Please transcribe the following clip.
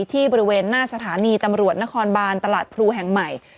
ที่บริเวณหน้าสถานีตำรวจนครบานตลาดพลูแห่งใหม่